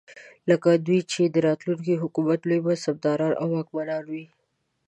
لکه دوی چې د راتلونکي حکومت لوی منصبداران او واکمنان وي.